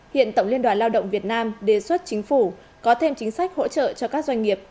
hiện tổng liên đoàn lao động việt nam đề xuất chính phủ có thêm chính sách hỗ trợ cho các doanh nghiệp